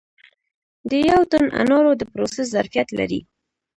د یو ټن انارو د پروسس ظرفیت لري